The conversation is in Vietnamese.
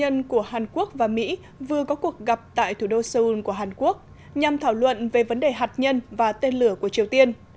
các hàn quốc và mỹ vừa có cuộc gặp tại thủ đô seoul của hàn quốc nhằm thảo luận về vấn đề hạt nhân và tên lửa của triều tiên